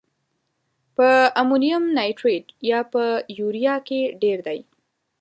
په امونیم نایتریت یا په یوریا کې ډیر دی؟